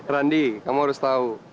randi kamu harus tahu